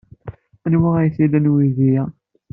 Anwa ay t-ilan uydi-a?